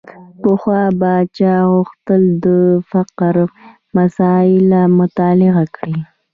پخوا به چا غوښتل د فقر مسأله مطالعه کړي.